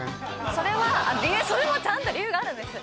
それはそれもちゃんと理由があるんです